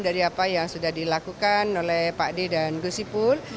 dari apa yang sudah dilakukan oleh pak d dan gusipul